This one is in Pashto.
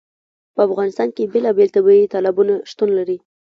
په افغانستان کې بېلابېل طبیعي تالابونه شتون لري.